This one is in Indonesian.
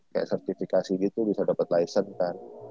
kayak sertifikasi gitu bisa dapet license kan